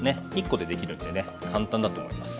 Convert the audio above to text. １コでできるんでね簡単だと思います。